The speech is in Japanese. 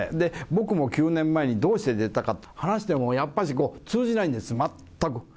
僕も９年前にどうして出たかというのは、話してもやっぱしこう、通じないんです、全く。